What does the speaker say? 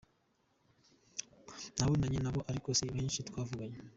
Nabonanye nabo ariko si byinshi twavuganye.